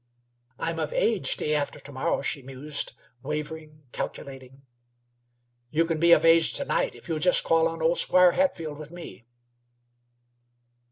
"I'm of age in a few days," she mused, wavering, calculating. "You c'n be of age to night if you'll jest call on old Square Hatfield with me."